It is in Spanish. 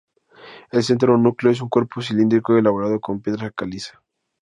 El centro o núcleo es un cuerpo cilíndrico elaborado con piedra caliza.